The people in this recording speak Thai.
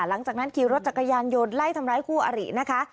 หลังจากนั้นขี่รถจักรยานยนต์ไล่ทำร้ายคู่อรินะคะ